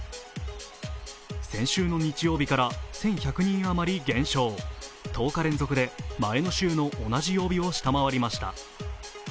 先週の日曜日から１１００人余り減少１０日連続で前の週の同じ曜日を下回りました。